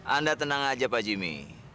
anda tenang aja pak jimmy